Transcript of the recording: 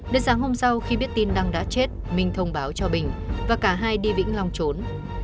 đến sáng hôm sau khi biết tin năng đã chết minh thông báo cho bình và cả hai đi vĩnh long trốn